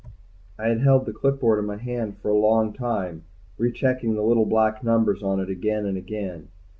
I had held the clipboard in my hand for a long time, rechecking the little black numbers on it again and again.